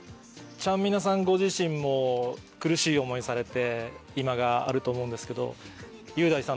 ちゃんみなさんご自身も苦しい思いをされて今があると思うんですけど。